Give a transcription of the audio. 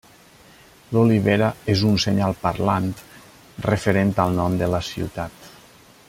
L'olivera és un senyal parlant referent al nom de la ciutat.